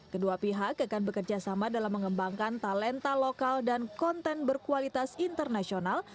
kedua pihak akan bekerjasama dalam mengembangkan talenta lokal dan konten berkualitas internasional